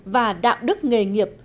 và đạo đức nghề nghiệp